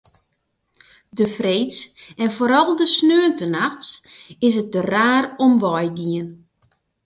De freeds en foaral de sneontenachts is it der raar om wei gien.